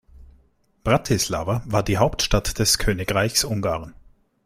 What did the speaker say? Bratislava war die Hauptstadt des Königreichs Ungarn.